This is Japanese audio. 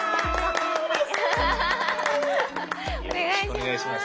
お願いします。